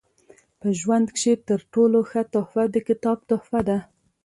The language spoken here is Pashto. په ژوند کښي تر ټولو ښه تحفه د کتاب تحفه ده.